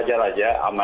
sudah sesuai atau tidak